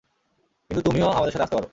কিন্তু তুমিও আমাদের সাথে আসতে পারো।